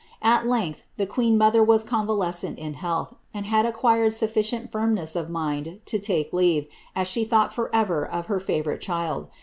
At length the queen mother was convalescent in health, and had acquired sufficient firmness of mind to take leave, as she thought for ever, of her favourite child.